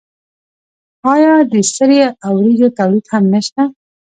آیا د سرې او وریجو تولید هم نشته؟